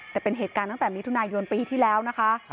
แต่เป็นเหตุการณ์ตั้งแต่มิถุนายนปีที่แล้วนะคะ